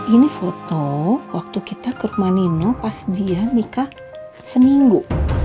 ini foto waktu kita ke rumah nino pas dia nikah seminggu